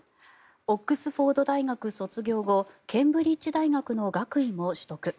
オックスフォード大学卒業後ケンブリッジ大学の学位も取得。